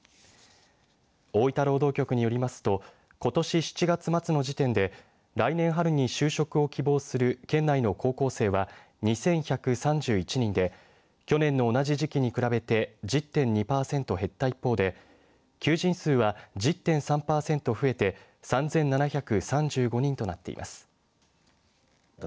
大分労働局によりますとことし７月末の時点で来年春に就職を希望する県内の高校生は２１３１人で去年の同じ時期に比べて１０．２パーセント減った一方で求人数は１０．３パーセント増えて３７３５人となっています。